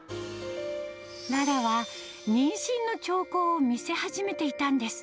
ララは、妊娠の兆候を見せ始めていたんです。